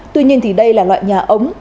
tuy nhiên thì đây là loại nhà ống